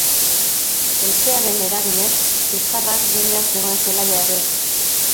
Haizearen eraginez, sutzarrak jendea zegoen zelaia erre du.